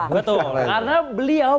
betul karena beliau